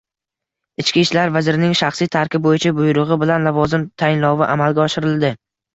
Ichki ishlar vazirining shaxsiy tarkib bo‘yicha buyrug‘i bilan lavozim tayinlovi amalga oshirildi